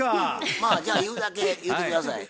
まあじゃあ言うだけ言うて下さい。